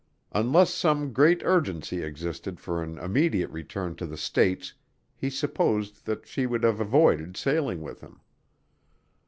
Unless some great urgency existed for an immediate return to the States he supposed that she would have avoided sailing with him.